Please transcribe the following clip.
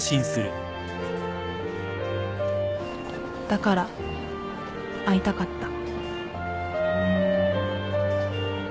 だから会いたかった